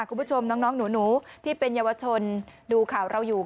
คุณผู้ชมน้องหนูที่เป็นเยาวชนดูข่าวเราอยู่